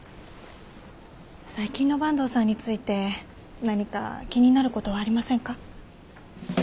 最近の坂東さんについて何か気になることはありませんか？